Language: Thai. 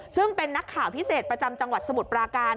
ซึ่งเป็นนักข่าวพิเศษประจำจังหวัดสมุทรปราการ